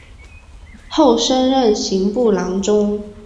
后升任刑部郎中。